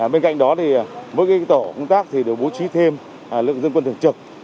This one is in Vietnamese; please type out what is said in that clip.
bên cạnh đó mỗi tổ công tác đều bố trí thêm lực dân quân thường trực